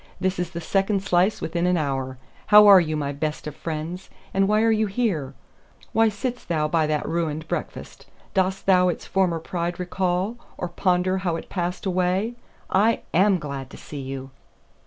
"This is the second slice within an hour. How are you, my best of friends? And why are you here? Why sit'st thou by that ruined breakfast? Dost thou its former pride recall, or ponder how it passed away? I am glad to see you!"